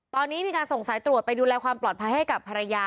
ตอนนี้มีการส่งสายตรวจไปดูแลความปลอดภัยให้กับภรรยา